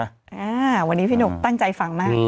อ่าวันนี้พี่หนุ่มตั้งใจฟังมาก